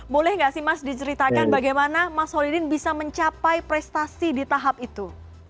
boleh nggak sih mas diceritakan bagaimana mas holidin bisa mencapai prestasi di tahap itu